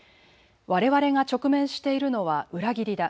われわれが直面しているのは裏切りだ。